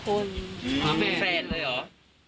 เป็นแฟนเลยหรอ